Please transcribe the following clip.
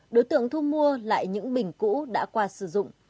đối tượng thu mua lại những bình cũ đã qua sử dụng